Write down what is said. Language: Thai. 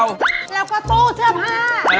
แล้วก็ตู้เสื้อผ้า